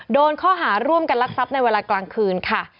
โดนข้อหาร่วมกันลักทรัพย์ในเวลากลางคืนค่ะ